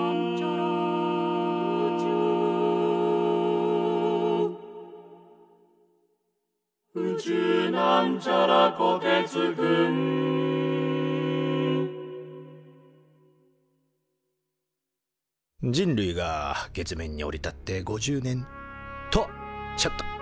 「宇宙」人類が月面に降り立って５０年！とちょっと。